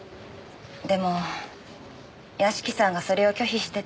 でも屋敷さんがそれを拒否してて。